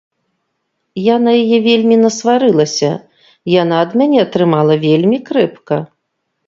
Я на яе вельмі насварылася, яна ад мяне атрымала вельмі крэпка.